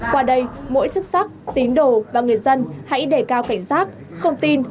qua đây mỗi chức sắc tín đồ và người dân hãy đề cao cảnh giác không tin